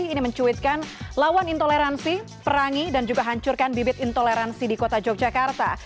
ini mencuitkan lawan intoleransi perangi dan juga hancurkan bibit intoleransi di kota yogyakarta